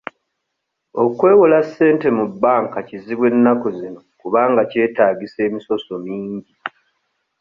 Okwewola ssente mu banka kizibu ennaku zino kubanga kyetaagisa emisoso mingi.